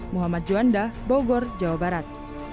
muhammad juanda bogor jawa barat